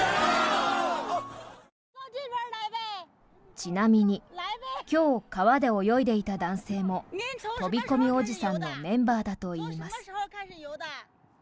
ちなみに今日、川で泳いでいた男性も飛び込みおじさんのメンバーだといいます。